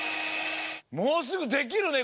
もうすぐできるね